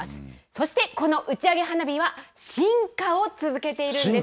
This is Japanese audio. そして、この打ち上げ花火は進化を続けているんです。